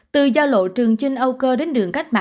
từ giao lộ trường chinh âu cơ đến đường cát tây